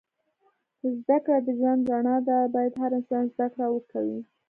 زده کړه د ژوند رڼا ده. باید هر انسان زده کړه وه کوی